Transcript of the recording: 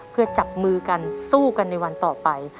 เพื่อจับมือกันสู้กันในวันต่อไป